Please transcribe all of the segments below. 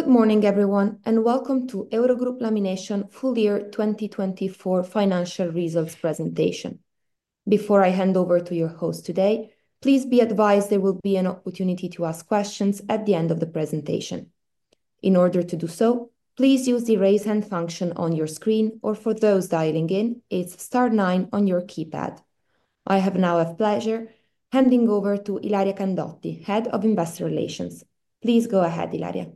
Good morning, everyone, and welcome to EuroGroup Laminations FY 2024 financial results presentation. Before I hand over to your host today, please be advised there will be an opportunity to ask questions at the end of the presentation. In order to do so, please use the raise hand function on your screen, or for those dialing in, it is star nine on your keypad. I have now a pleasure handing over to Ilaria Candotti, Head of Investor Relations. Please go ahead, Ilaria.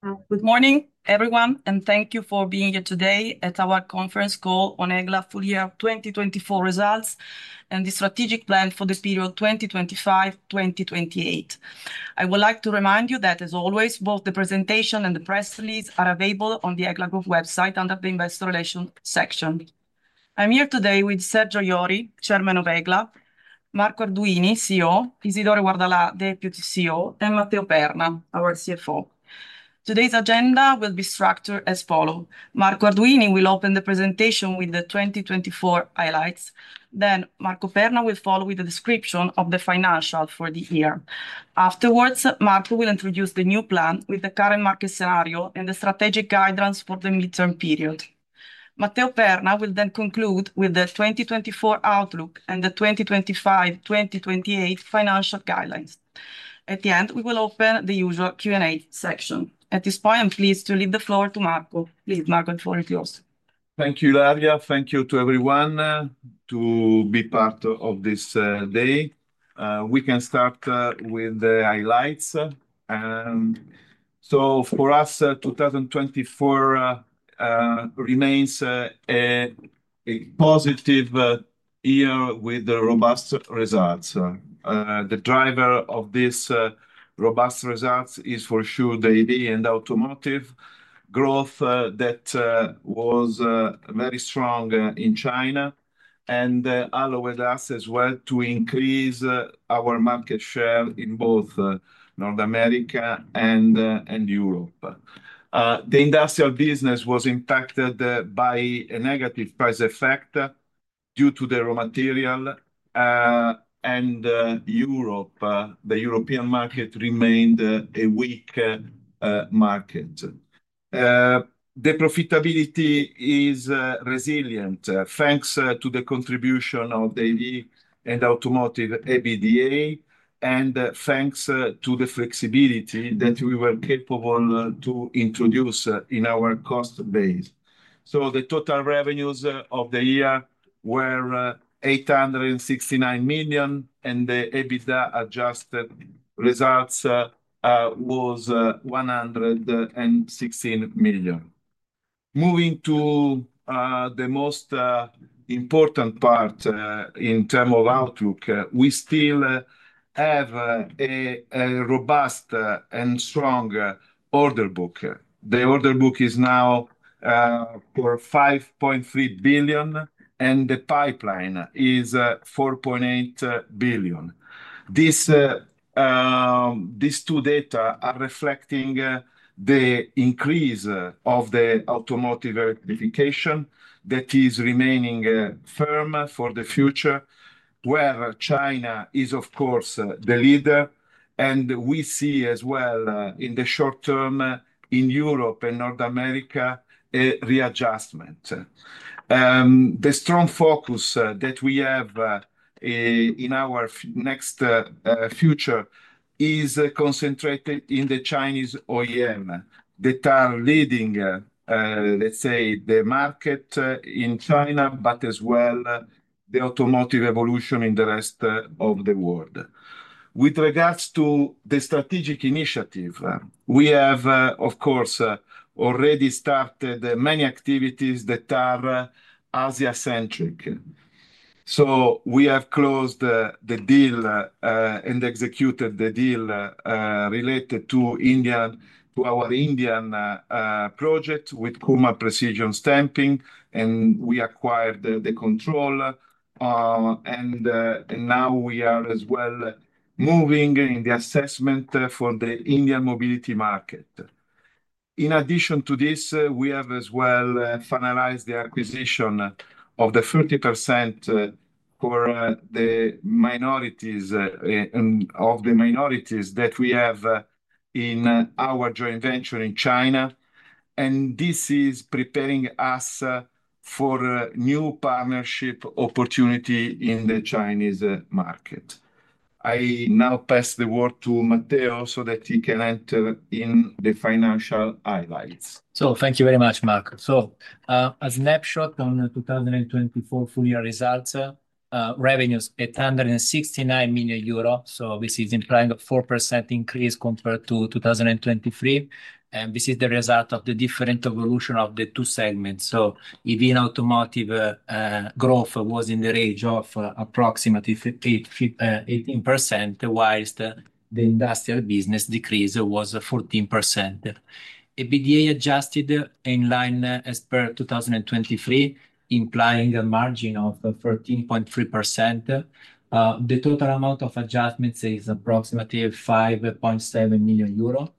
Good morning, everyone, and thank you for being here today at our conference call on EGLA FY 2024 results and the strategic plan for the period 2025-2028. I would like to remind you that, as always, both the presentation and the press release are available on the EGLA Group website under the Investor Relations section. I'm here today with Sergio Iori, Chairman of EGLA, Marco Arduini, CEO, Isidoro Guardalà, Deputy CEO, and Matteo Perna, our CFO. Today's agenda will be structured as follows. Marco Arduini will open the presentation with the 2024 highlights. Then Matteo Perna will follow with the description of the financials for the year. Afterwards, Marco will introduce the new plan with the current market scenario and the strategic guidelines for the midterm period. Matteo Perna will then conclude with the 2024 outlook and the 2025-2028 financial guidelines. At the end, we will open the usual Q&A section. At this point, I'm pleased to leave the floor to Marco. Please, Marco, the floor is yours. Thank you, Ilaria. Thank you to everyone to be part of this day. We can start with the highlights. For us, 2024 remains a positive year with robust results. The driver of these robust results is for sure the EV and automotive growth that was very strong in China and allowed us as well to increase our market share in both North America and Europe. The industrial business was impacted by a negative price effect due to the raw material, and Europe, the European market, remained a weak market. The profitability is resilient thanks to the contribution of the EV and automotive EBITDA and thanks to the flexibility that we were capable to introduce in our cost base. The total revenues of the year were 869 million, and the EBITDA adjusted results was 116 million. Moving to the most important part in terms of outlook, we still have a robust and strong order book. The order book is now for $5.3 billion, and the pipeline is $4.8 billion. These two data are reflecting the increase of the automotive electrification that is remaining firm for the future, where China is, of course, the leader, and we see as well in the short term in Europe and North America a readjustment. The strong focus that we have in our next future is concentrated in the Chinese OEMs that are leading, let's say, the market in China, but as well the automotive evolution in the rest of the world. With regards to the strategic initiative, we have, of course, already started many activities that are Asia-centric. We have closed the deal and executed the deal related to our Indian project with Kumar Precision Stampings, and we acquired the control. We are as well moving in the assessment for the Indian mobility market. In addition to this, we have as well finalized the acquisition of the 30% for the minorities of the minorities that we have in our joint venture in China. This is preparing us for a new partnership opportunity in the Chinese market. I now pass the word to Matteo so that he can enter in the financial highlights. Thank you very much, Marc. A snapshot on the 2024 full year results, revenues 869 million euro. This is implying a 4% increase compared to 2023. This is the result of the different evolution of the two segments. EV and automotive growth was in the range of approximately 18%, whilst the industrial business decrease was 14%. EBITDA adjusted in line as per 2023, implying a margin of 13.3%. The total amount of adjustments is approximately 5.7 million euro.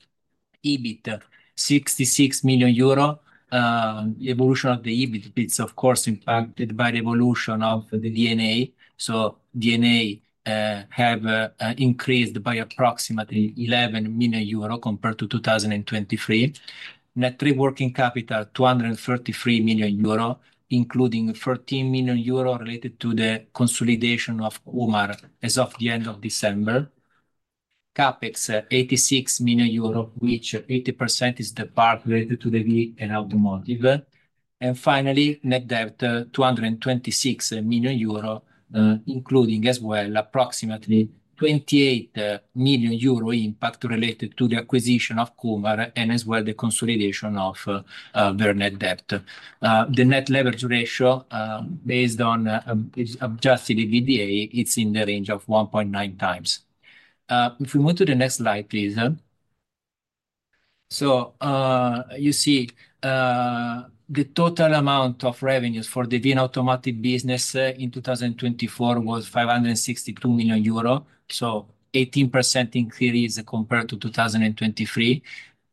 EBIT, 66 million euro. The evolution of the EBIT is, of course, impacted by the evolution of the D&A. D&A has increased by approximately 11 million euro compared to 2023. Net working capital, 233 million euro, including 13 million euro related to the consolidation of Kumar as of the end of December. Capex, 86 million euro, of which 80% is the part related to the EV and automotive. Finally, net debt, 226 million euro, including as well approximately 28 million euro impact related to the acquisition of Kumar Precision Stampings and as well the consolidation of their net debt. The net leverage ratio based on adjusted EBITDA is in the range of 1.9 times. If we move to the next slide, please. You see the total amount of revenues for the EV and Automotive business in 2024 was 562 million euro. That is an 18% increase compared to 2023,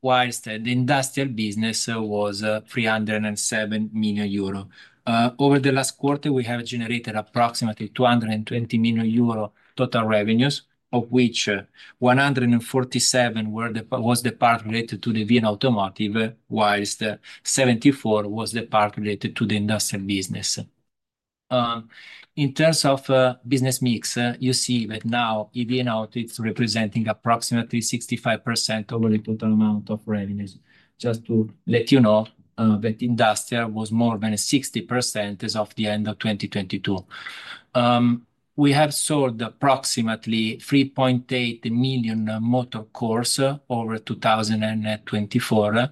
whilst the Industrial business was 307 million euro. Over the last quarter, we have generated approximately 220 million euro total revenues, of which 147 million was the part related to the EV and Automotive, whilst 74 million was the part related to the Industrial business. In terms of business mix, you see that now EV and Automotive is representing approximately 65% over the total amount of revenues. Just to let you know that industrial was more than 60% as of the end of 2022. We have sold approximately 3.8 million motor cores over 2024.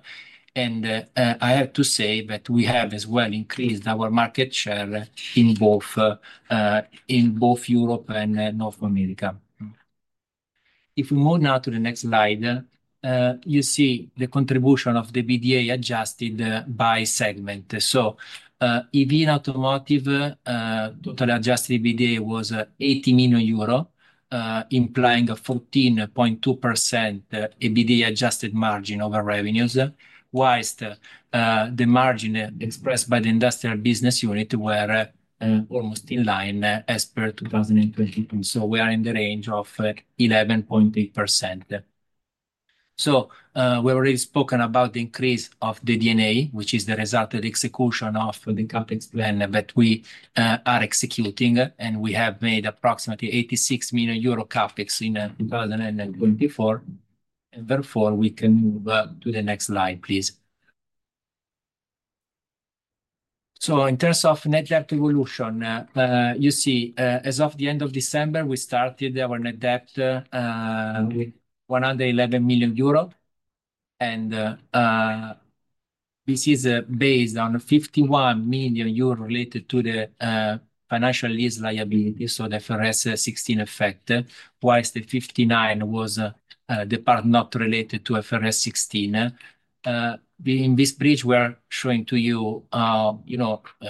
I have to say that we have as well increased our market share in both Europe and North America. If we move now to the next slide, you see the contribution of the EBITDA adjusted by segment. EV and Automotive total adjusted EBITDA was 80 million euro, implying a 14.2% EBITDA adjusted margin over revenues, whilst the margin expressed by the Industrial business unit were almost in line as per 2022. We are in the range of 11.8%. We have already spoken about the increase of the D&A, which is the result of the execution of the Capex plan that we are executing, and we have made approximately 86 million euro Capex in 2024. Therefore, we can move to the next slide, please. In terms of net debt evolution, you see as of the end of December, we started our net debt with 111 million euro. This is based on 51 million euro related to the financial lease liability, so the IFRS 16 effect, whilst the 59 million was the part not related to IFRS 16. In this bridge, we are showing to you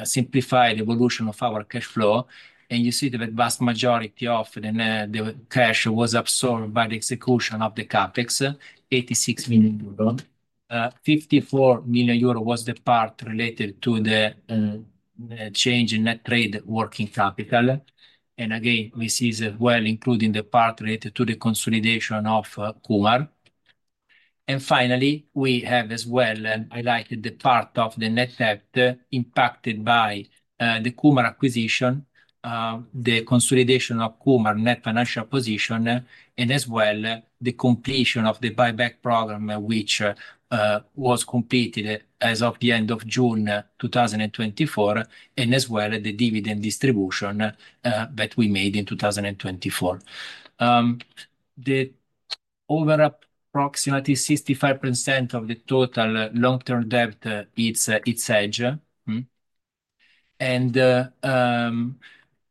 simplified evolution of our cash flow. You see the vast majority of the cash was absorbed by the execution of the Capex, 86 million euro. 54 million euro was the part related to the change in net trade working capital. Again, this is as well including the part related to the consolidation of Kumar. Finally, we have as well highlighted the part of the net debt impacted by the Kumar acquisition, the consolidation of Kumar net financial position, as well as the completion of the buyback program, which was completed as of the end of June 2024, and the dividend distribution that we made in 2024. Over approximately 65% of the total long-term debt is hedged.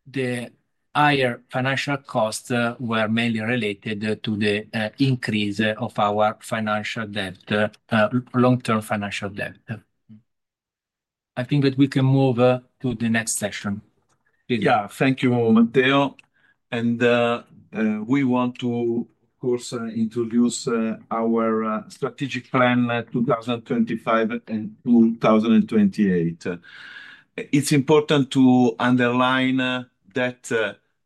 The higher financial costs were mainly related to the increase of our financial debt, long-term financial debt. I think that we can move to the next section. Yeah, thank you, Matteo. We want to, of course, introduce our strategic plan 2025 and 2028. It's important to underline that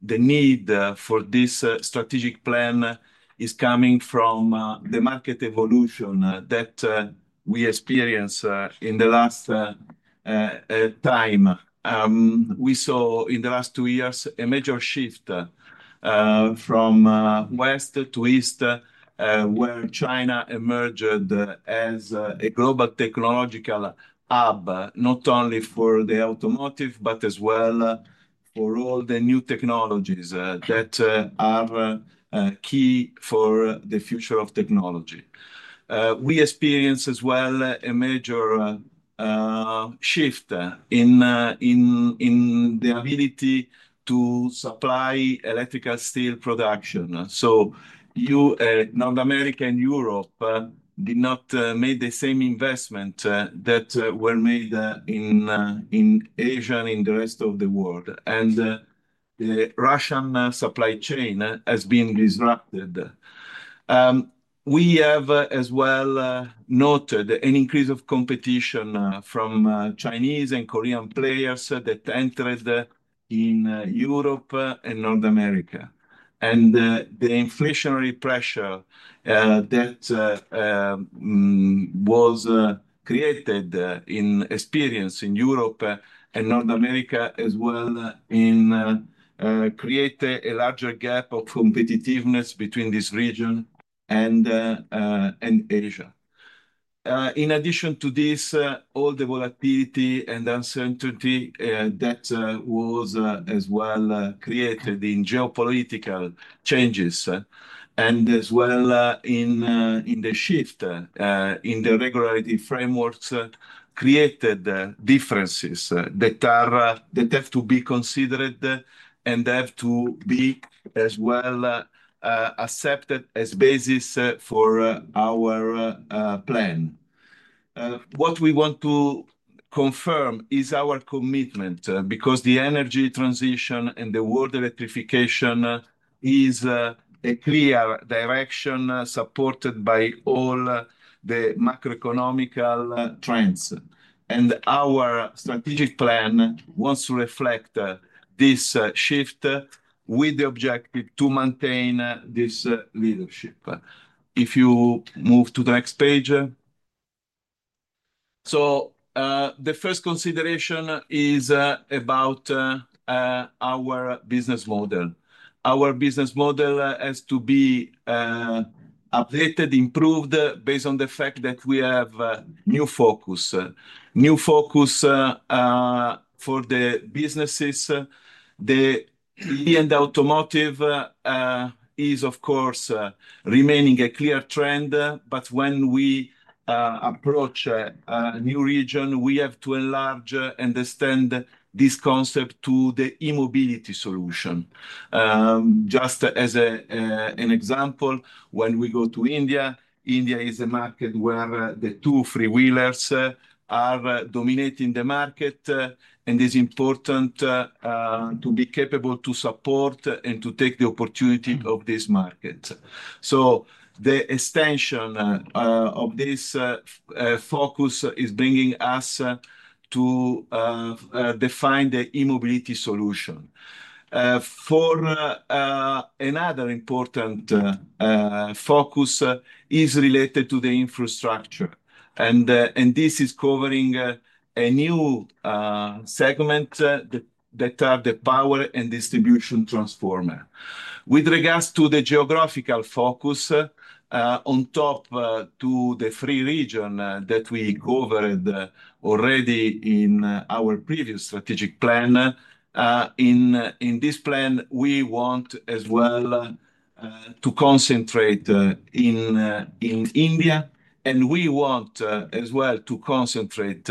the need for this strategic plan is coming from the market evolution that we experienced in the last time. We saw in the last two years a major shift from West to East, where China emerged as a global technological hub, not only for the automotive, but as well for all the new technologies that are key for the future of technology. We experienced as well a major shift in the ability to supply electrical steel production. North America and Europe did not make the same investment that were made in Asia and in the rest of the world. The Russian supply chain has been disrupted. We have as well noted an increase of competition from Chinese and Korean players that entered in Europe and North America. The inflationary pressure that was created and experienced in Europe and North America as well created a larger gap of competitiveness between this region and Asia. In addition to this, all the volatility and uncertainty that was as well created in geopolitical changes and as well in the shift in the regulatory frameworks created differences that have to be considered and have to be as well accepted as basis for our plan. What we want to confirm is our commitment because the energy transition and the world electrification is a clear direction supported by all the macroeconomic trends. Our strategic plan wants to reflect this shift with the objective to maintain this leadership. If you move to the next page. The first consideration is about our business model. Our business model has to be updated, improved based on the fact that we have new focus. New focus for the businesses. The EV and automotive is, of course, remaining a clear trend, but when we approach a new region, we have to enlarge and extend this concept to the e-mobility solution. Just as an example, when we go to India, India is a market where the two and three-wheelers are dominating the market, and it's important to be capable to support and to take the opportunity of this market. The extension of this focus is bringing us to define the e-mobility solution. Another important focus is related to the infrastructure. This is covering a new segment that are the power and distribution transformer. With regards to the geographical focus on top to the three regions that we covered already in our previous strategic plan, in this plan, we want as well to concentrate in India, and we want as well to concentrate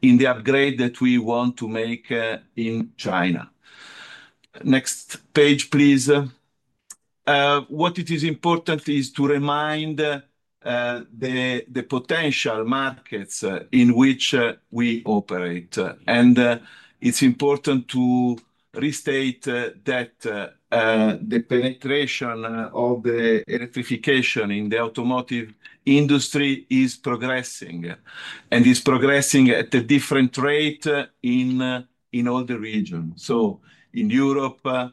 in the upgrade that we want to make in China. Next page, please. What it is important is to remind the potential markets in which we operate. It's important to restate that the penetration of the electrification in the automotive industry is progressing. It's progressing at a different rate in all the regions. In Europe, by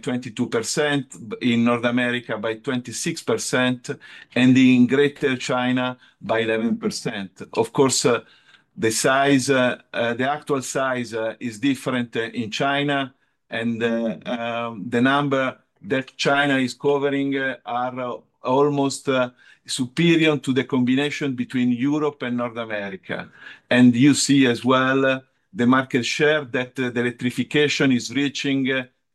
22%, in North America, by 26%, and in Greater China, by 11%. Of course, the actual size is different in China. The number that China is covering are almost superior to the combination between Europe and North America. You see as well the market share that the electrification is reaching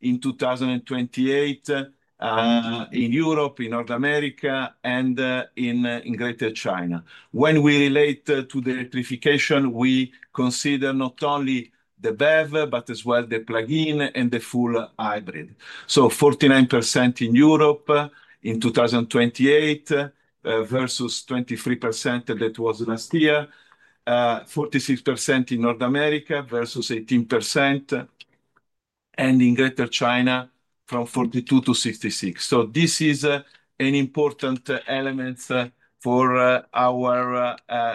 in 2028 in Europe, in North America, and in Greater China. When we relate to the electrification, we consider not only the BEV, but as well the plug-in and the full hybrid. 49% in Europe in 2028 versus 23% that was last year, 46% in North America versus 18%, and in Greater China from 42% to 66%. This is an important element for our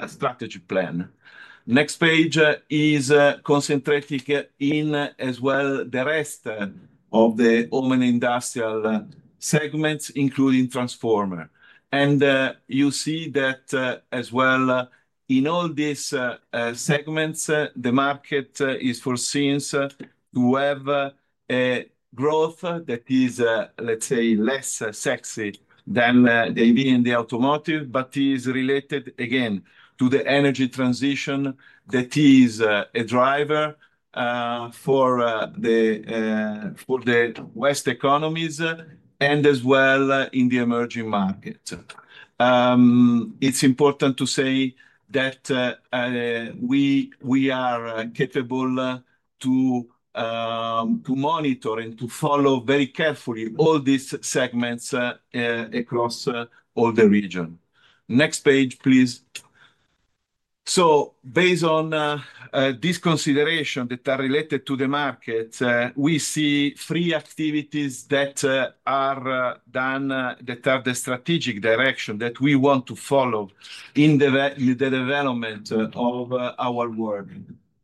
strategy plan. The next page is concentrating in as well the rest of the open industrial segments, including transformer. You see that as well in all these segments, the market is foreseen to have a growth that is, let's say, less sexy than the EV and the automotive, but is related again to the energy transition that is a driver for the West economies and as well in the emerging markets. It's important to say that we are capable to monitor and to follow very carefully all these segments across all the region. Next page, please. Based on these considerations that are related to the markets, we see three activities that are done that are the strategic direction that we want to follow in the development of our work.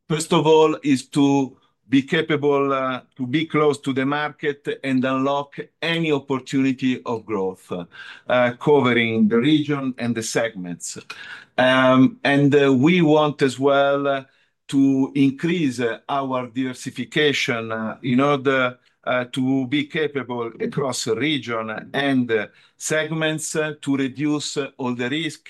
First of all, is to be capable to be close to the market and unlock any opportunity of growth covering the region and the segments. We want as well to increase our diversification in order to be capable across the region and segments to reduce all the risk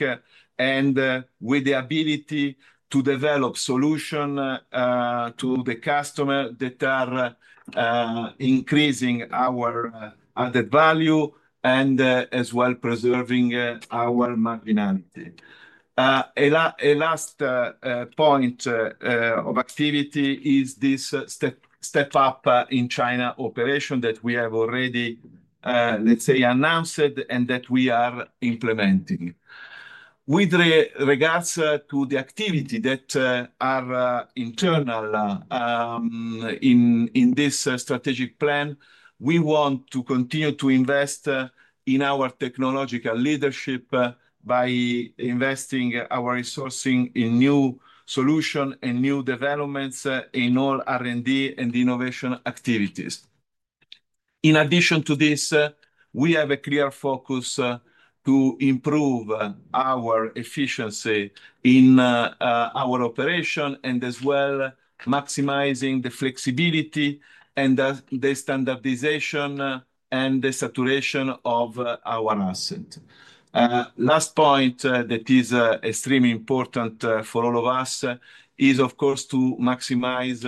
and with the ability to develop solutions to the customer that are increasing our added value and as well preserving our marginality. A last point of activity is this step-up in China operation that we have already, let's say, announced and that we are implementing. With regards to the activity that are internal in this strategic plan, we want to continue to invest in our technological leadership by investing our resourcing in new solutions and new developments in all R&D and innovation activities. In addition to this, we have a clear focus to improve our efficiency in our operation and as well maximizing the flexibility and the standardization and the saturation of our asset. Last point that is extremely important for all of us is, of course, to maximize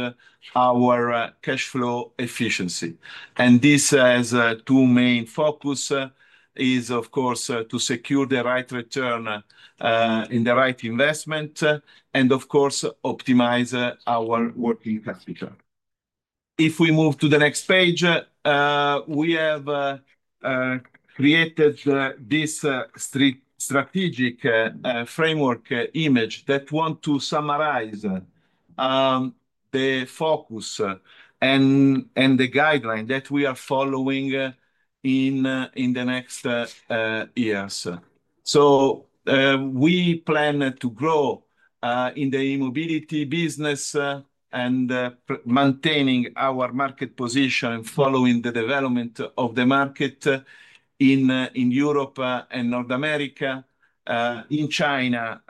our cash flow efficiency. This has two main focuses: is, of course, to secure the right return in the right investment, and, of course, optimize our working capital. If we move to the next page, we have created this strategic framework image that wants to summarize the focus and the guideline that we are following in the next years. We plan to grow in the e-mobility business and maintaining our market position following the development of the market in Europe and North America. In China,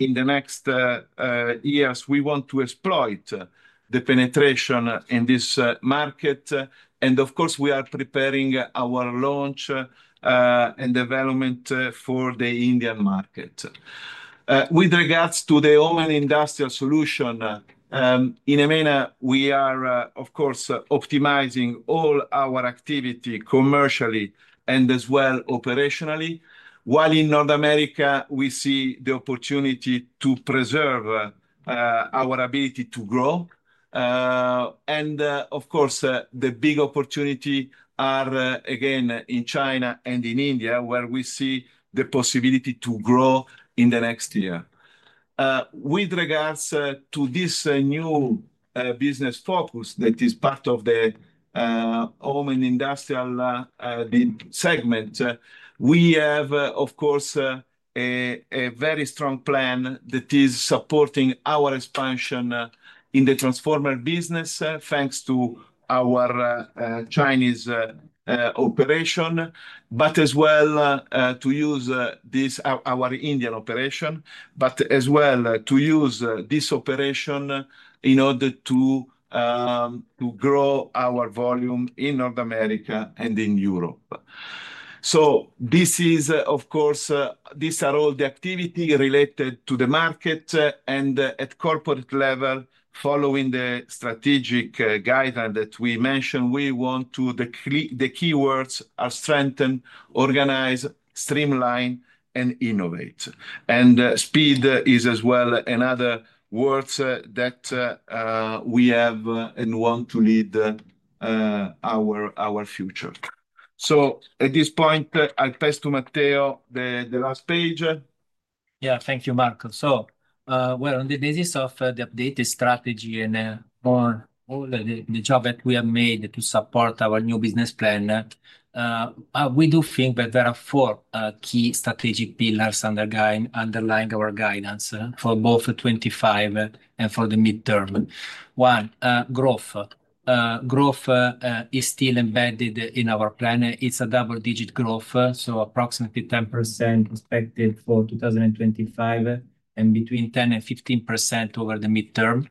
in the next years, we want to exploit the penetration in this market. Of course, we are preparing our launch and development for the Indian market. With regards to the open industrial solution, in EMEA, we are, of course, optimizing all our activity commercially and as well operationally, while in North America, we see the opportunity to preserve our ability to grow. Of course, the big opportunities are again in China and in India, where we see the possibility to grow in the next year. With regards to this new business focus that is part of the open industrial segment, we have, of course, a very strong plan that is supporting our expansion in the transformer business thanks to our Chinese operation, but as well to use our Indian operation, but as well to use this operation in order to grow our volume in North America and in Europe. These are all the activities related to the market and at corporate level, following the strategic guideline that we mentioned, we want to, the keywords are strengthen, organize, streamline, and innovate. Speed is as well another word that we have and want to lead our future. At this point, I'll pass to Matteo the last page. Yeah, thank you, Marco. We're on the basis of the updated strategy and all the job that we have made to support our new business plan. We do think that there are four key strategic pillars underlying our guidance for both 2025 and for the midterm. One, growth. Growth is still embedded in our plan. It's a double-digit growth, so approximately 10% expected for 2025 and between 10-15% over the midterm.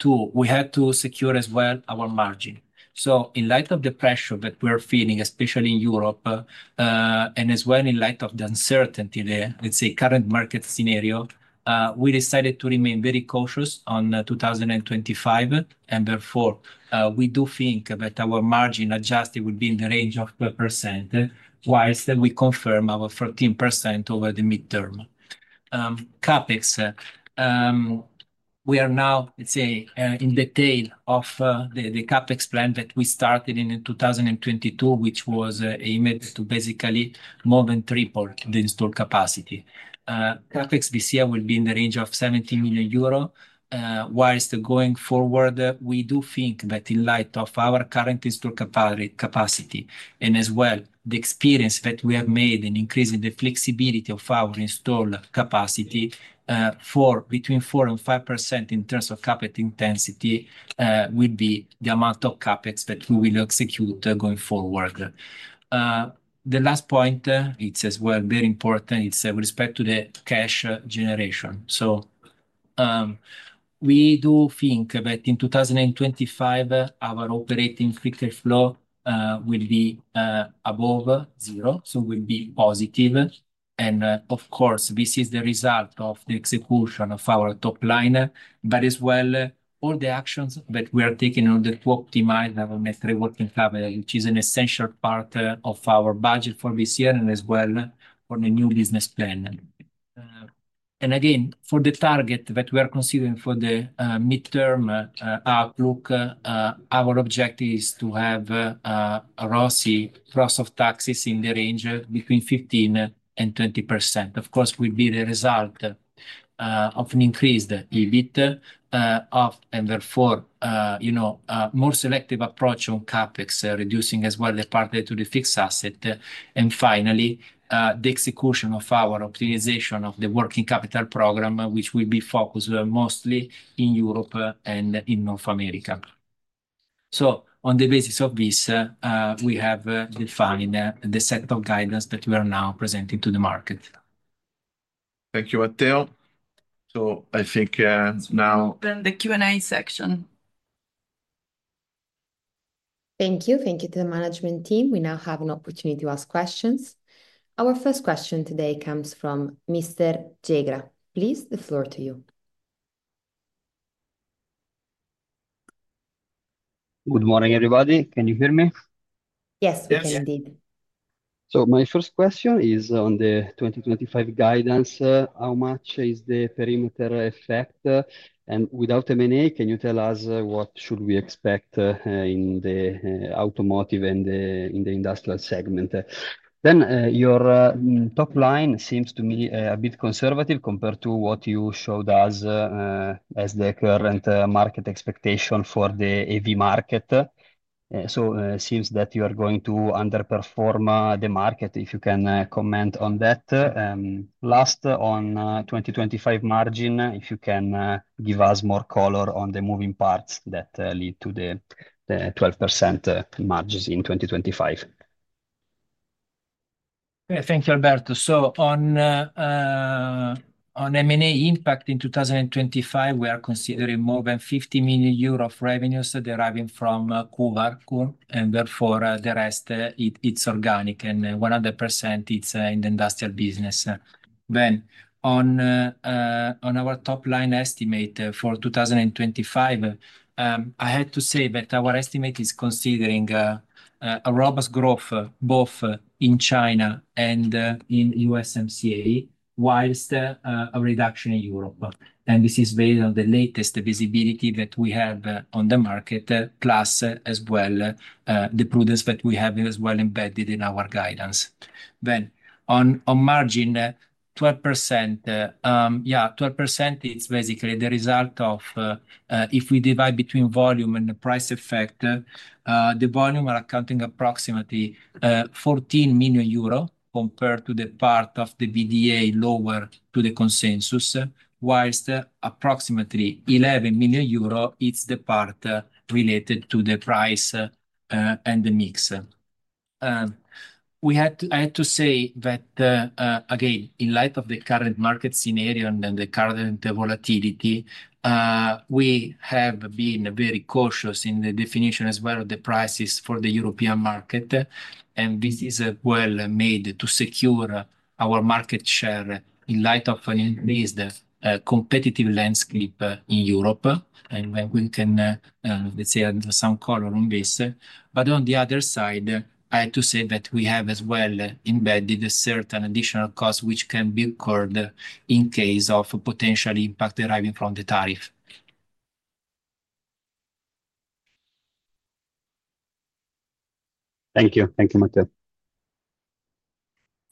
Two, we have to secure as well our margin. In light of the pressure that we're feeling, especially in Europe, and as well in light of the uncertainty, let's say, current market scenario, we decided to remain very cautious on 2025. Therefore, we do think that our margin adjusted would be in the range of 12%, whilst we confirm our 14% over the midterm. CapEx. We are now, let's say, in the tail of the CapEx plan that we started in 2022, which was aimed to basically more than triple the installed capacity. CapEx this year will be in the range of 70 million euro. Whilst going forward, we do think that in light of our current installed capacity and as well the experience that we have made in increasing the flexibility of our installed capacity for between 4% and 5% in terms of CapEx intensity would be the amount of CapEx that we will execute going forward. The last point, it's as well very important, it's with respect to the cash generation. We do think that in 2025, our operating free cash flow will be above zero, so will be positive. Of course, this is the result of the execution of our top line, but as well all the actions that we are taking in order to optimize our net working capital, which is an essential part of our budget for this year and as well for the new business plan. Again, for the target that we are considering for the midterm outlook, our objective is to have a ROCE, gross of taxes, in the range between 15% and 20%. Of course, it will be the result of an increased EBIT and, therefore, you know, a more selective approach on CapEx, reducing as well the part to the fixed asset. Finally, the execution of our optimization of the working capital program, which will be focused mostly in Europe and in North America. On the basis of this, we have defined the set of guidance that we are now presenting to the market. Thank you, Matteo. I think now we open the Q&A section. Thank you. Thank you to the management team. We now have an opportunity to ask questions. Our first question today comes from Mr. Jegra. Please, the floor to you. Good morning, everybody. Can you hear me? Yes, we can indeed. My first question is on the 2025 guidance, how much is the perimeter effect? Without M&A, can you tell us what should we expect in the automotive and in the industrial segment? Your top line seems to me a bit conservative compared to what you showed us as the current market expectation for the EV market. It seems that you are going to underperform the market. If you can comment on that. Last, on 2025 margin, if you can give us more color on the moving parts that lead to the 12% margins in 2025. Thank you, Alberto. On M&A impact in 2025, we are considering more than 50 million euros of revenues deriving from Kumar. Therefore, the rest, it is organic and 100% is in the industrial business. On our top line estimate for 2025, I have to say that our estimate is considering a robust growth both in China and in USMCA, while a reduction in Europe. This is based on the latest visibility that we have on the market, plus as well the prudence that we have as well embedded in our guidance. On margin, 12%, yeah, 12% is basically the result of if we divide between volume and the price effect, the volume are accounting approximately 14 million euro compared to the part of the EBITDA lower to the consensus, whilst approximately 11 million euro is the part related to the price and the mix. I had to say that, again, in light of the current market scenario and the current volatility, we have been very cautious in the definition as well of the prices for the European market. This is well made to secure our market share in light of an increased competitive landscape in Europe. We can, let's say, add some color on this. On the other side, I had to say that we have as well embedded certain additional costs which can be incurred in case of potential impact deriving from the tariff. Thank you. Thank you, Matteo.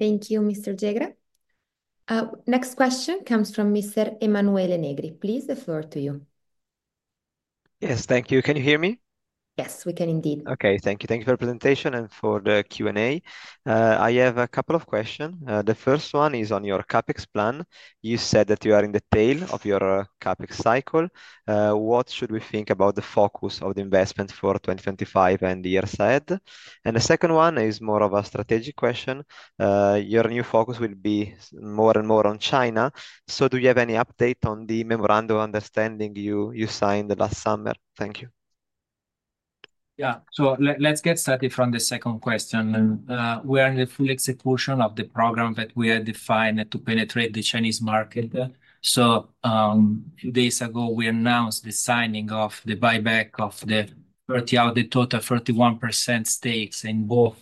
Thank you, Mr. Jegra. Next question comes from Mr. Emanuele Negri. Please, the floor to you. Yes, thank you. Can you hear me? Yes, we can indeed. Okay, thank you. Thank you for the presentation and for the Q&A. I have a couple of questions. The first one is on your CapEx plan. You said that you are in the tail of your CapEx cycle. What should we think about the focus of the investment for 2025 and the year ahead? The second one is more of a strategic question. Your new focus will be more and more on China. Do you have any update on the memorandum of understanding you signed last summer? Thank you. Yeah, let's get started from the second question. We are in the full execution of the program that we had defined to penetrate the Chinese market. Two days ago, we announced the signing of the buyback of the 30 out of the total 31% stakes in both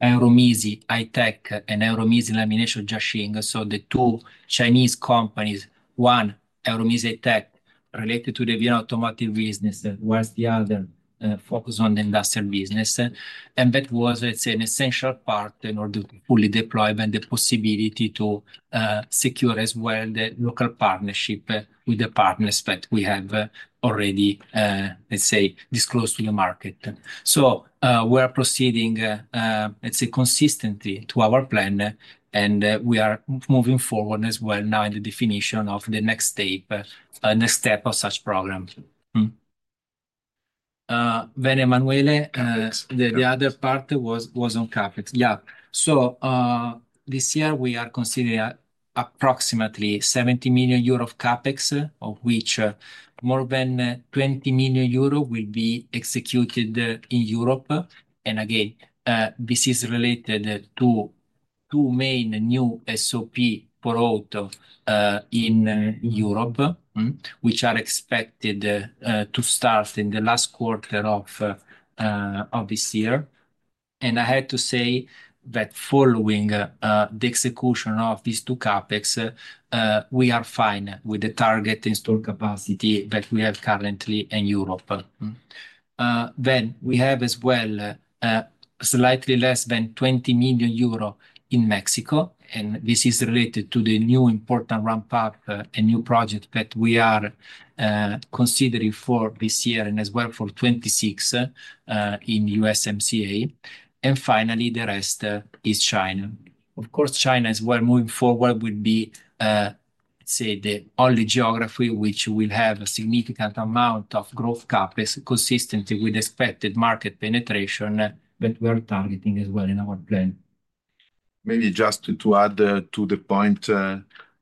Euro-Misi Electric and Euro-Misi Laminations Jiaxing. The two Chinese companies, one Euro-Misi Electric related to the automotive business, whilst the other focused on the industrial business. That was, let's say, an essential part in order to fully deploy and the possibility to secure as well the local partnership with the partners that we have already, let's say, disclosed to the market. We are proceeding, let's say, consistently to our plan, and we are moving forward as well now in the definition of the next step of such program. Emanuele, the other part was on CapEx. Yeah. This year, we are considering approximately 70 million euro of CapEx, of which more than 20 million euro will be executed in Europe. This is related to two main new SOPs for auto in Europe, which are expected to start in the last quarter of this year. I have to say that following the execution of these two CapEx, we are fine with the target installed capacity that we have currently in Europe. We have as well slightly less than 20 million euro in Mexico. This is related to the new important ramp-up and new project that we are considering for this year and as well for 2026 in USMCA. Finally, the rest is China. Of course, China as well moving forward will be, let's say, the only geography which will have a significant amount of growth CapEx consistently with expected market penetration that we are targeting as well in our plan. Maybe just to add to the point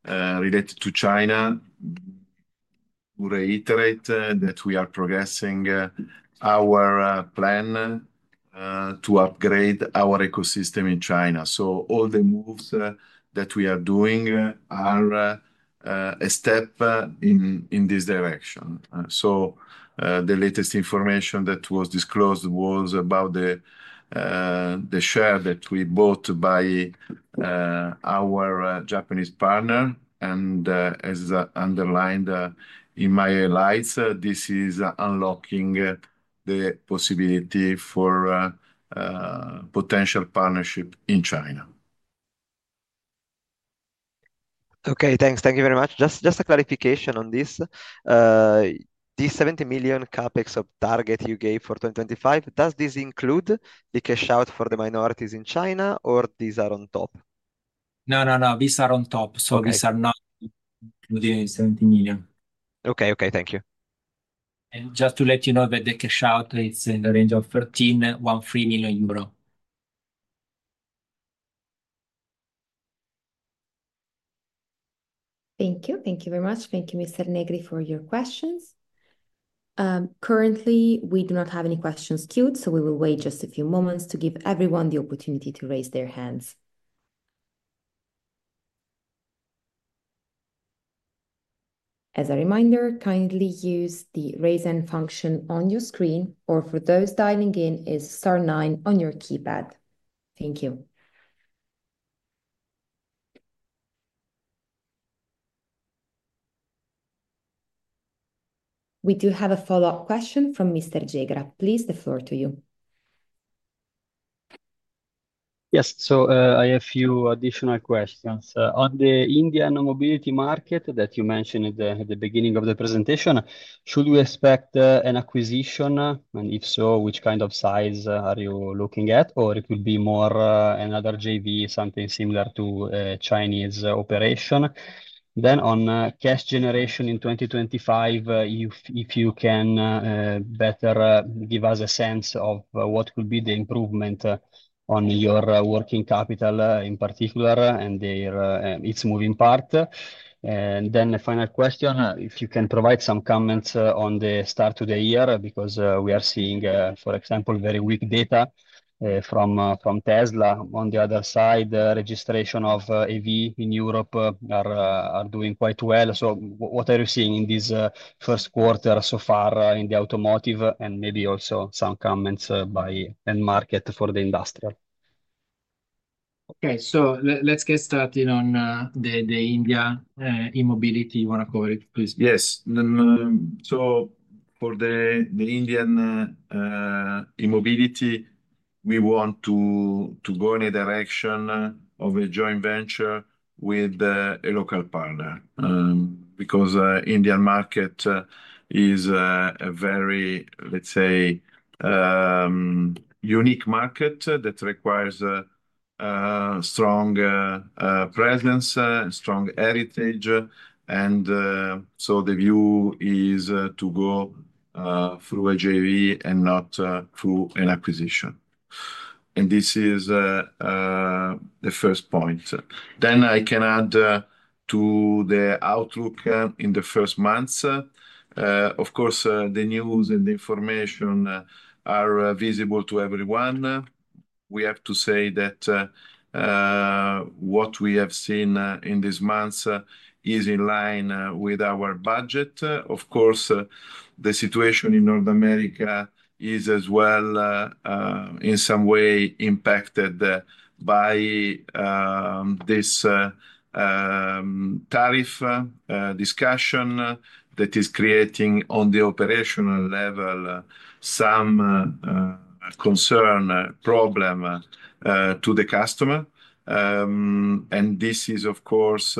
related to China, to reiterate that we are progressing our plan to upgrade our ecosystem in China. All the moves that we are doing are a step in this direction. The latest information that was disclosed was about the share that we bought by our Japanese partner. As underlined in my slides, this is unlocking the possibility for potential partnership in China. Okay, thanks. Thank you very much. Just a clarification on this. These 70 million CapEx of target you gave for 2025, does this include the cash out for the minorities in China or these are on top? No, no, no, these are on top. These are not included in 70 million. Okay, okay, thank you. Just to let you know that the cash out, it's in the range of 13 million euro, EUR 13 million. Thank you. Thank you very much. Thank you, Mr. Negri, for your questions. Currently, we do not have any questions queued, so we will wait just a few moments to give everyone the opportunity to raise their hands. As a reminder, kindly use the raise hand function on your screen or for those dialing in, it is star nine on your keypad. Thank you. We do have a follow-up question from Mr. Jegra. Please, the floor to you. Yes, I have a few additional questions. On the Indian mobility market that you mentioned at the beginning of the presentation, should we expect an acquisition? If so, which kind of size are you looking at? Or will it be more another JV, something similar to a Chinese operation? On cash generation in 2025, if you can better give us a sense of what could be the improvement on your working capital in particular and its moving part. A final question, if you can provide some comments on the start of the year because we are seeing, for example, very weak data from Tesla. On the other side, registration of EV in Europe are doing quite well. What are you seeing in this first quarter so far in the automotive and maybe also some comments by end market for the industrial? Okay, let's get started on the India e-mobility. You want to cover it, please? Yes. For the Indian e-mobility, we want to go in a direction of a joint venture with a local partner because the Indian market is a very, let's say, unique market that requires a strong presence, strong heritage. The view is to go through a JV and not through an acquisition. This is the first point. I can add to the outlook in the first months. Of course, the news and the information are visible to everyone. We have to say that what we have seen in these months is in line with our budget. The situation in North America is as well in some way impacted by this tariff discussion that is creating on the operational level some concern, problem to the customer. This is, of course,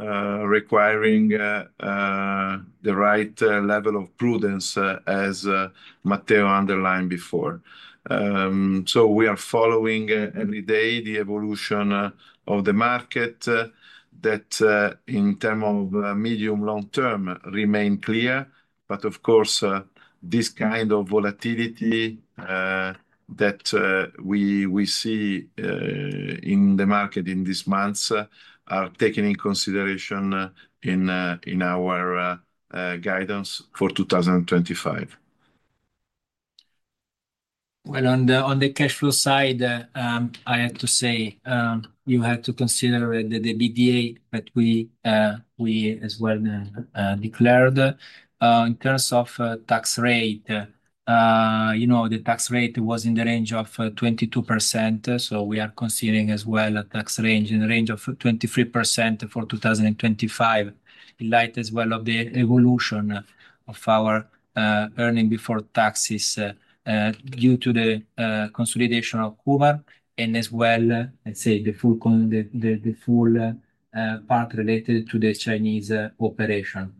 requiring the right level of prudence, as Matteo underlined before. We are following every day the evolution of the market that in terms of medium-long term remains clear. Of course, this kind of volatility that we see in the market in these months is taken into consideration in our guidance for 2025. On the cash flow side, I had to say you had to consider the EBITDA that we as well declared. In terms of tax rate, the tax rate was in the range of 22%. We are considering as well a tax range in the range of 23% for 2025 in light as well of the evolution of our earning before taxes due to the consolidation of Kumar and as well, let's say, the full part related to the Chinese operation.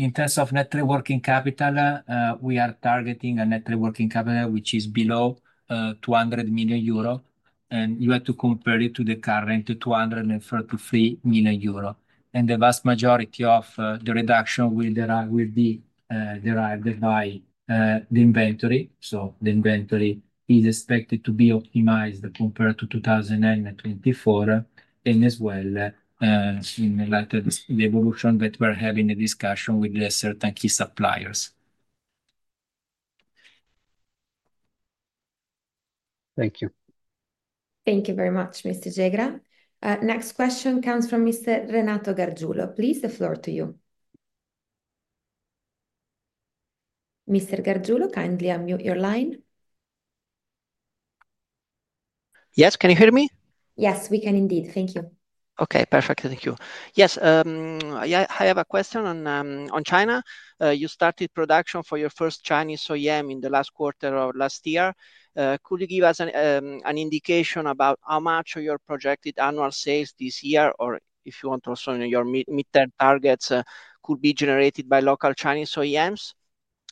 In terms of net working capital, we are targeting a net working capital which is below 200 million euro. You have to compare it to the current 233 million euro. The vast majority of the reduction will be derived by the inventory. The inventory is expected to be optimized compared to 2024 and as well in light of the evolution that we're having a discussion with certain key suppliers. Thank you. Thank you very much, Mr. Jegra. Next question comes from Mr. Renato Gargiulo. Please, the floor to you. Mr. Gargiulo, kindly unmute your line. Yes, can you hear me? Yes, we can indeed. Thank you. Okay, perfect. Thank you. Yes, I have a question on China. You started production for your first Chinese OEM in the last quarter of last year. Could you give us an indication about how much of your projected annual sales this year or if you want also your mid-term targets could be generated by local Chinese OEMs?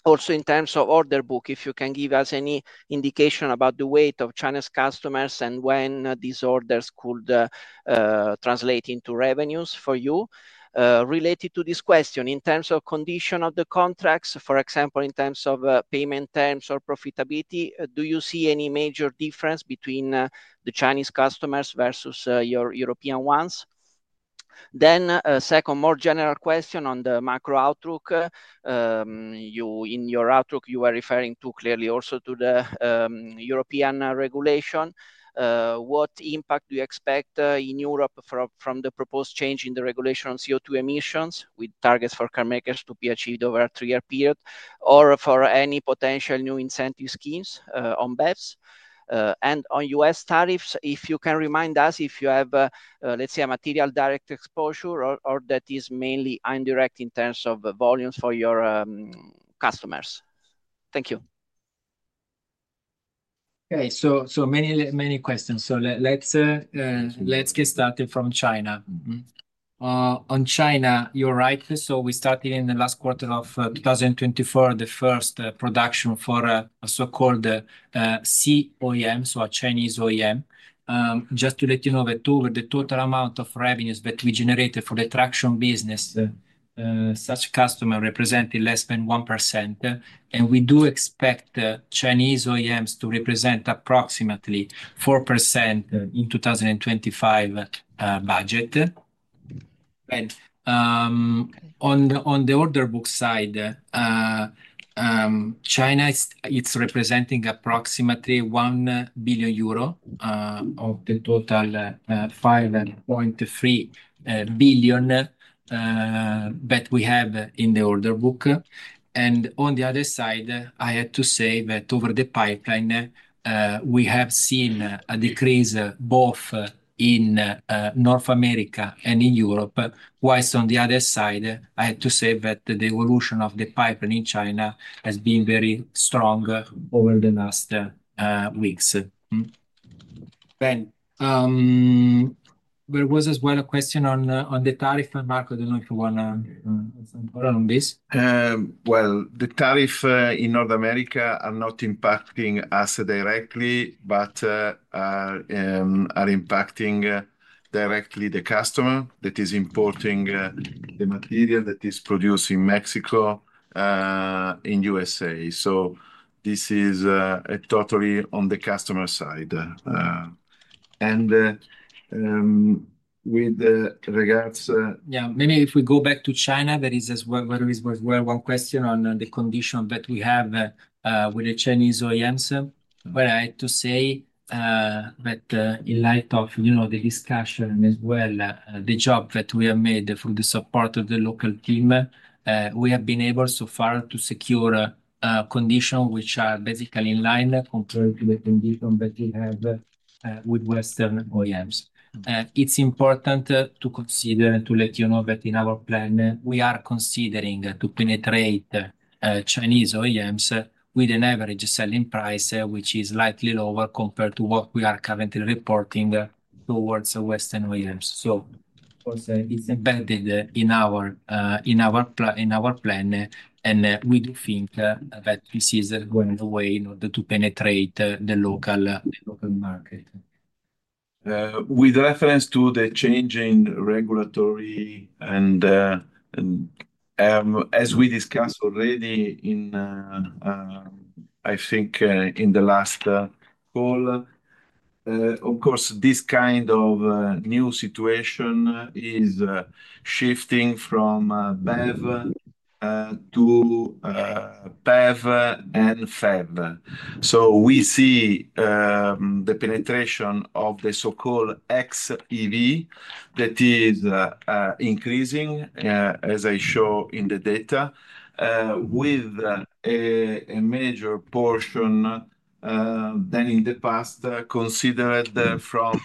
Also in terms of order book, if you can give us any indication about the weight of China's customers and when these orders could translate into revenues for you. Related to this question, in terms of condition of the contracts, for example, in terms of payment terms or profitability, do you see any major difference between the Chinese customers versus your European ones? A second more general question on the macro outlook. In your outlook, you were referring to clearly also to the European regulation. What impact do you expect in Europe from the proposed change in the regulation on CO2 emissions with targets for carmakers to be achieved over a three-year period or for any potential new incentive schemes on BEVs? On U.S. tariffs, if you can remind us if you have, let's say, a material direct exposure or that is mainly indirect in terms of volumes for your customers. Thank you. Okay, so many, many questions. Let's get started from China. On China, you're right. We started in the last quarter of 2024, the first production for a so-called C-OEM, so a Chinese OEM. Just to let you know that over the total amount of revenues that we generated for the traction business, such customer represented less than 1%. We do expect Chinese OEMs to represent approximately 4% in the 2025 budget. On the order book side, China is representing approximately 1 billion euro of the total 5.3 billion that we have in the order book. On the other side, I had to say that over the pipeline, we have seen a decrease both in North America and in Europe. Whereas on the other side, I had to say that the evolution of the pipeline in China has been very strong over the last weeks. There was as well a question on the tariff and Mark, I do not know if you want to answer on this. The tariff in North America are not impacting us directly, but are impacting directly the customer that is importing the material that is produced in Mexico in the U.S. This is totally on the customer side. With regards, maybe if we go back to China, there is as well one question on the condition that we have with the Chinese OEMs. I had to say that in light of the discussion and as well the job that we have made for the support of the local team, we have been able so far to secure conditions which are basically in line compared to the conditions that we have with Western OEMs. It is important to consider and to let you know that in our plan, we are considering to penetrate Chinese OEMs with an average selling price which is slightly lower compared to what we are currently reporting towards Western OEMs. Of course, it is embedded in our plan. We do think that this is going away in order to penetrate the local market. With reference to the changing regulatory and as we discussed already, I think in the last call, of course, this kind of new situation is shifting from BEV to PHEV and FHEV. We see the penetration of the so-called xEV that is increasing, as I show in the data, with a major portion than in the past considered from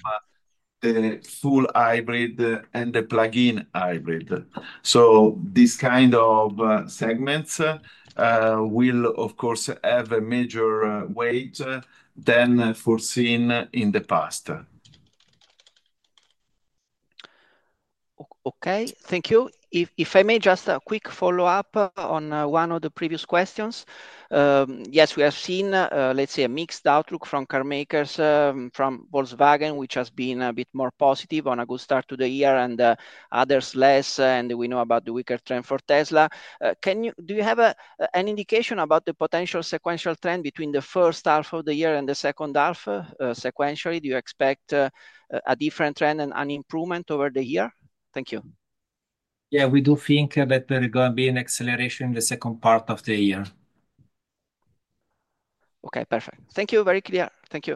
the full hybrid and the plug-in hybrid. This kind of segments will, of course, have a major weight than foreseen in the past. Okay, thank you. If I may, just a quick follow-up on one of the previous questions. Yes, we have seen, let's say, a mixed outlook from carmakers from Volkswagen, which has been a bit more positive on a good start to the year and others less. We know about the weaker trend for Tesla. Do you have an indication about the potential sequential trend between the first half of the year and the second half sequentially? Do you expect a different trend and an improvement over the year? Thank you. Yeah, we do think that there is going to be an acceleration in the second part of the year. Okay, perfect. Thank you. Very clear. Thank you.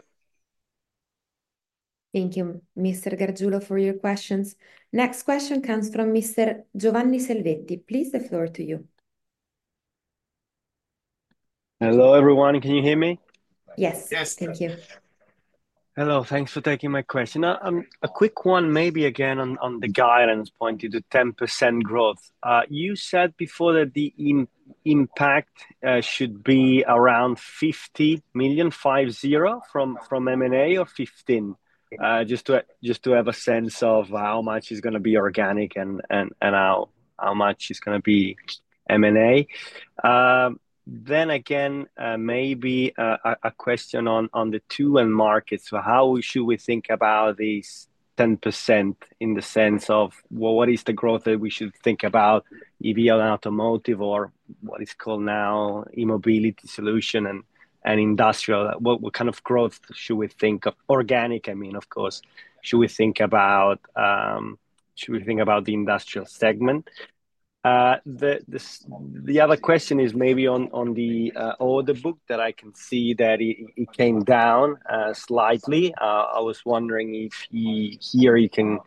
Thank you, Mr. Gargiulo, for your questions. Next question comes from Mr. Giovanni Selvetti. Please the floor to you. Hello everyone. Can you hear me? Yes. Yes. Thank you. Hello. Thanks for taking my question. A quick one maybe again on the guidance point to the 10% growth. You said before that the impact should be around 50 million, 50 from M&A or 15? Just to have a sense of how much is going to be organic and how much is going to be M&A. Then again, maybe a question on the two-end markets. How should we think about this 10% in the sense of what is the growth that we should think about, EV or automotive or what is called now e-mobility solution and industrial? What kind of growth should we think of? Organic, I mean, of course, should we think about the industrial segment? The other question is maybe on the order book that I can see that it came down slightly. I was wondering if here you can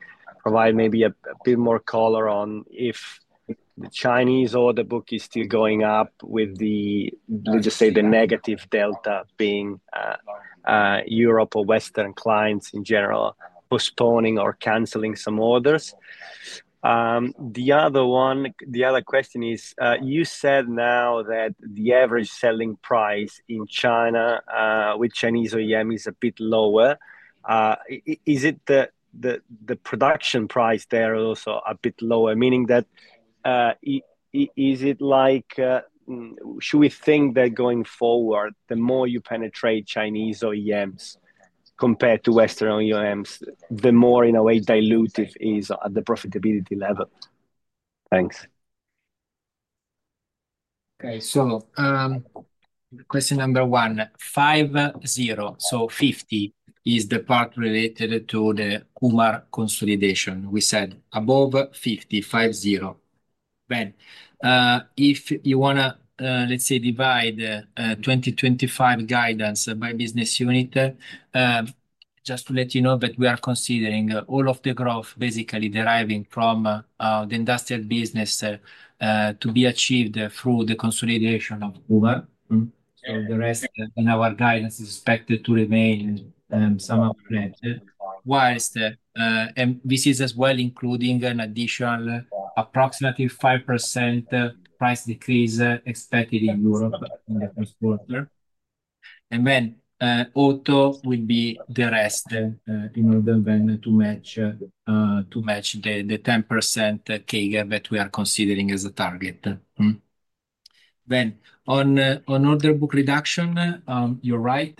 provide maybe a bit more color on if the Chinese order book is still going up with the, let's just say, the negative delta being Europe or Western clients in general postponing or canceling some orders. The other question is, you said now that the average selling price in China with Chinese OEM is a bit lower. Is it the production price there also a bit lower? Meaning that is it like should we think that going forward, the more you penetrate Chinese OEMs compared to Western OEMs, the more in a way dilutive is at the profitability level? Thanks. Okay. Question number one, 50, so 50 is the part related to the Kumar consolidation. We said above 50, 50. If you want to, let's say, divide 2025 guidance by business unit, just to let you know that we are considering all of the growth basically deriving from the industrial business to be achieved through the consolidation of Kumar. The rest in our guidance is expected to remain somewhat red. Whilst this is as well including an additional approximately 5% price decrease expected in Europe in the first quarter. Auto will be the rest in order then to match the 10% CAGR that we are considering as a target. On order book reduction, you're right.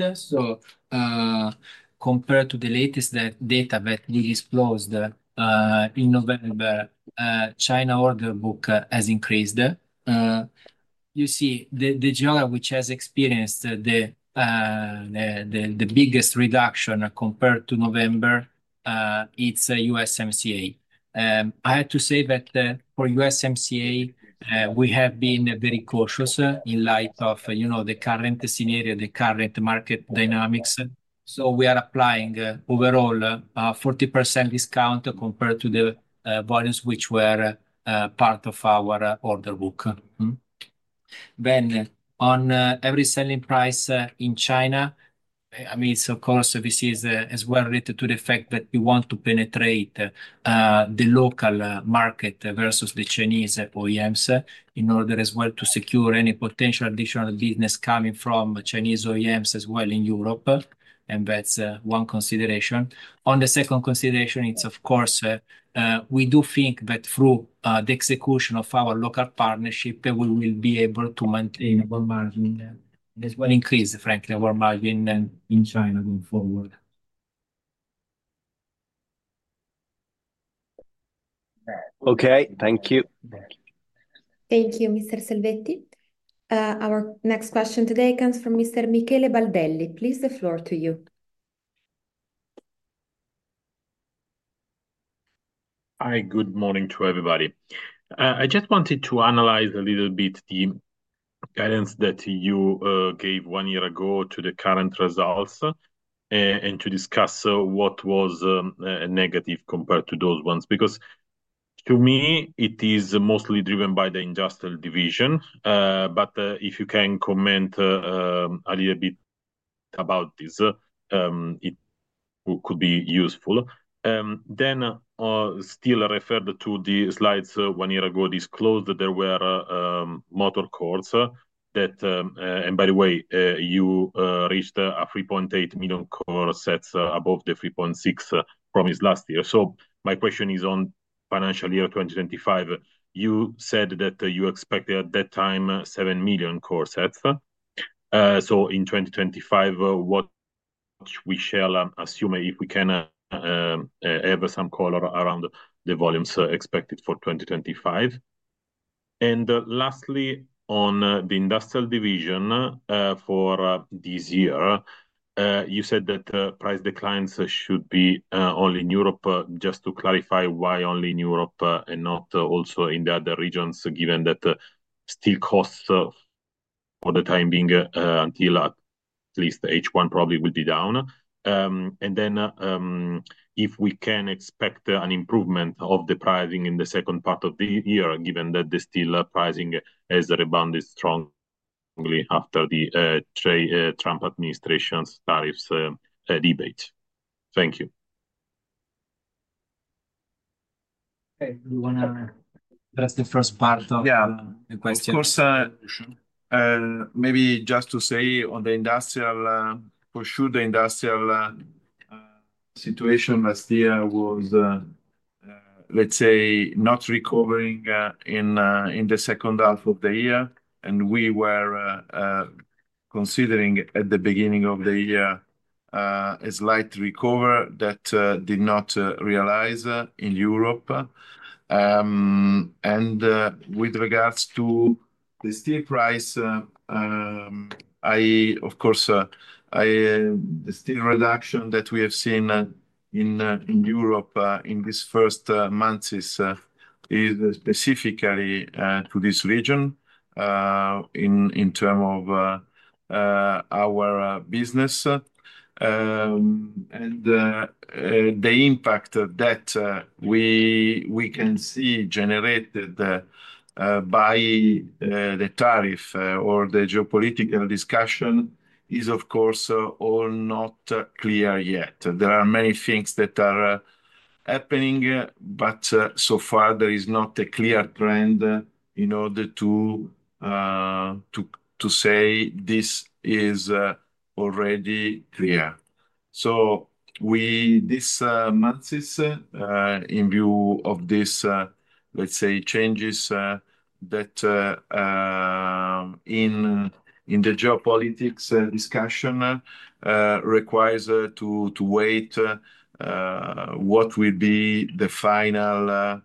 Compared to the latest data that we disclosed in November, China order book has increased. You see the geographic which has experienced the biggest reduction compared to November is USMCA. I have to say that for USMCA, we have been very cautious in light of the current scenario, the current market dynamics. We are applying overall 40% discount compared to the volumes which were part of our order book. On every selling price in China, I mean, this is as well related to the fact that we want to penetrate the local market versus the Chinese OEMs in order as well to secure any potential additional business coming from Chinese OEMs as well in Europe. That's one consideration. On the second consideration, it's of course, we do think that through the execution of our local partnership, we will be able to maintain our margin and as well increase, frankly, our margin in China going forward. Okay. Thank you. Thank you, Mr. Selvetti. Our next question today comes from Mr. Michele Baldelli. Please the floor to you. Hi, good morning to everybody. I just wanted to analyze a little bit the guidance that you gave one year ago to the current results and to discuss what was negative compared to those ones. Because to me, it is mostly driven by the industrial division. But if you can comment a little bit about this, it could be useful. Still referred to the slides one year ago disclosed that there were motor cores that, and by the way, you reached 3.8 million core sets above the 3.6 promised last year. My question is on financial year 2025, you said that you expected at that time seven million core sets. In 2025, what we shall assume if we can have some color around the volumes expected for 2025? Lastly, on the industrial division for this year, you said that price declines should be only in Europe. Just to clarify why only in Europe and not also in the other regions, given that still costs for the time being until at least H1 probably will be down. If we can expect an improvement of the pricing in the second part of the year, given that the steel pricing has rebounded strongly after the Trump administration's tariffs debate. Thank you. Okay. Do you want to address the first part of the question? Yeah. Of course. Maybe just to say on the industrial, for sure, the industrial situation last year was, let's say, not recovering in the second half of the year. We were considering at the beginning of the year a slight recover that did not realize in Europe. With regards to the steel price, of course, the steel reduction that we have seen in Europe in these first months is specifically to this region in terms of our business. The impact that we can see generated by the tariff or the geopolitical discussion is, of course, all not clear yet. There are many things that are happening, but so far there is not a clear trend in order to say this is already clear. These months, in view of this, let's say, changes that in the geopolitics discussion requires to wait what will be the final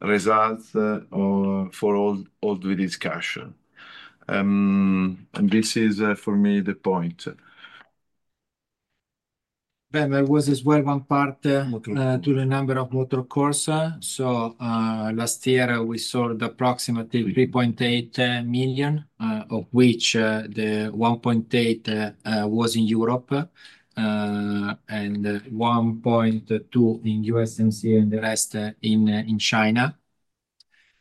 result for all the discussion. This is for me the point. There was as well one part to the number of motor cores. Last year, we saw approximately 3.8 million, of which 1.8 million was in Europe and 1.2 million in USMCA and the rest in China.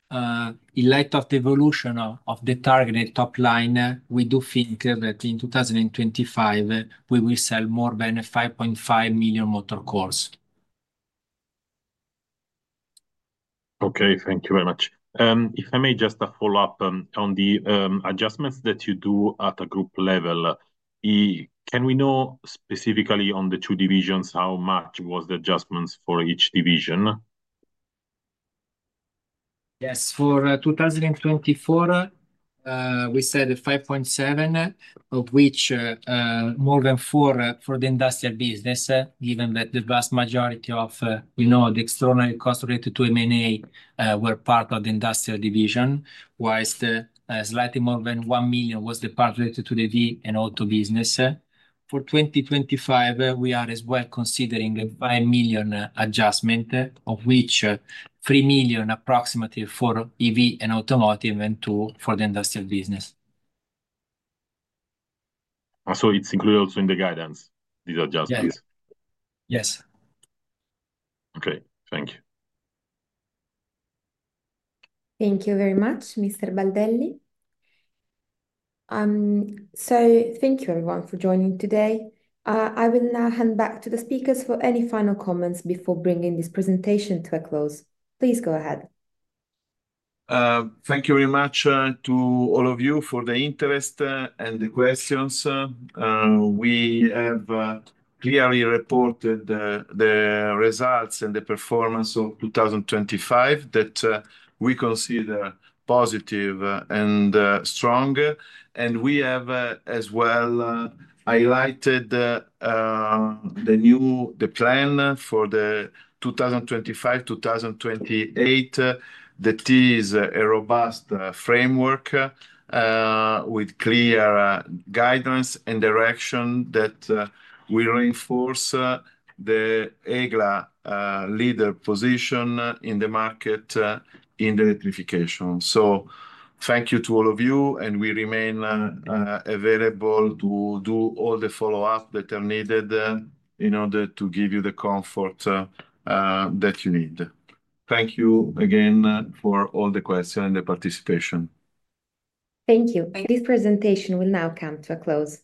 In light of the evolution of the targeted top line, we do think that in 2025, we will sell more than 5.5 million motor cores. Okay. Thank you very much. If I may just follow up on the adjustments that you do at a group level, can we know specifically on the two divisions how much was the adjustments for each division? Yes. For 2024, we said 5.7, of which more than 4 for the industrial business, given that the vast majority of, you know, the external cost related to M&A were part of the industrial division, whilst slightly more than one million was the part related to the EV and auto business. For 2025, we are as well considering a five million adjustment, of which three million approximately for EV and automotive and two for the industrial business. It is included also in the guidance, these adjustments? Yes. Yes. Okay. Thank you. Thank you very much, Mr. Baldelli. Thank you everyone for joining today. I will now hand back to the speakers for any final comments before bringing this presentation to a close. Please go ahead. Thank you very much to all of you for the interest and the questions. We have clearly reported the results and the performance of 2025 that we consider positive and strong. We have as well highlighted the plan for 2025-2028 that is a robust framework with clear guidance and direction that will reinforce the EGLA leader position in the market in the electrification. Thank you to all of you, and we remain available to do all the follow-up that are needed in order to give you the comfort that you need. Thank you again for all the questions and the participation. Thank you. This presentation will now come to a close.